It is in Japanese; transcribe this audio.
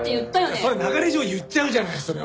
それは流れ上言っちゃうじゃないそれは。